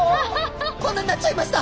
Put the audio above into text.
こんなになっちゃいました！